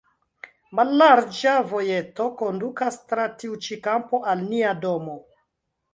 Mallarĝa vojeto kondukas tra tiu ĉi kampo al nia domo.